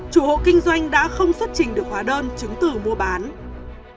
chủ hộ kinh doanh đã không xuất trình được bánh trung thu và bánh trung thu không rõ nguồn gốc xuất xứ